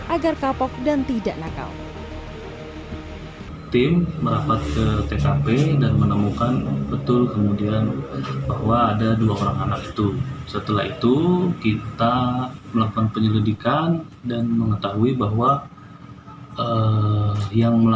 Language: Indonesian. agar kapok dan tidak nakal